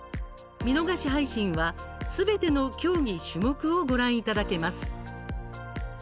「見逃し配信」は、すべての競技・種目をご覧いただけます。